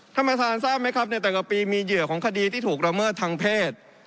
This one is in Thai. ท่านประธานทราบไหมครับในแต่ละปีมีเหยื่อของคดีที่ถูกละเมิดทางเพศ